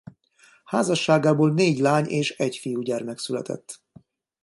Házasságából négy lány- és egy fiúgyermek született.